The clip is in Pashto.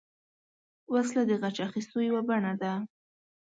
وسله د غچ اخیستو یوه بڼه ده